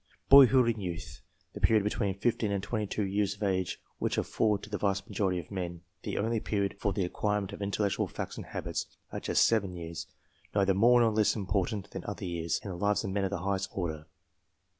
Boy hood and youth the period between fifteen and twenty two years of age, which afford to the vast majority of men, the only period for the acquirement of intellectual facts 40 COMPARISON OF THE and habits are just seven years neither more nor less important than other years in the lives of men of the highest order.